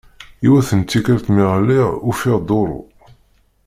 Yiwet n tikelt mi ɣliɣ ufiɣ duṛu.